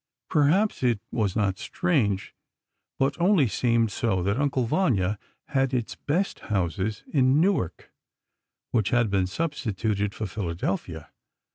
Perhaps it was not strange—but only seemed so—that "Uncle Vanya" had its best houses in Newark, which had been substituted for Philadelphia.